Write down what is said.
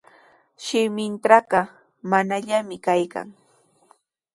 "Shimintrawqa ""manallami"" kaykan."